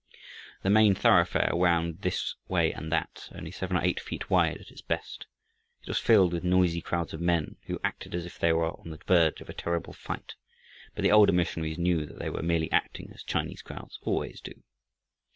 The main thoroughfare wound this way and that, only seven or eight feet wide at its best. It was filled with noisy crowds of men who acted as if they were on the verge of a terrible fight. But the older missionaries knew that they were merely acting as Chinese crowds always do.